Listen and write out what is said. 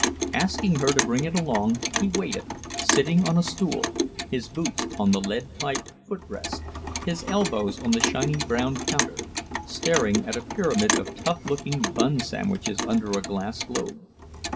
Asking her to bring it along, he waited, sitting on a stool, his boots on the lead pipe foot rest, his elbows on the shiny brown counter, staring at a pyramid of tough looking bun sandwiches under a glass globe.